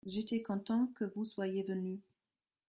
J’étais content que vous soyez venu.